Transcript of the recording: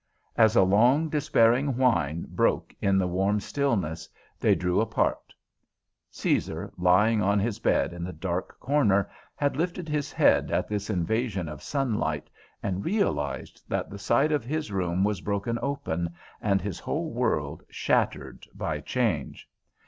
As a long, despairing whine broke in the warm stillness, they drew apart. Caesar, lying on his bed in the dark corner, had lifted his head at this invasion of sunlight, and realized that the side of his room was broken open, and his whole world shattered by change.